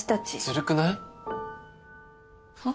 ずるくない？は？